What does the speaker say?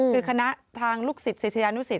คือคณะทางลูกศิษย์เศรษฐญานุสิทธิ์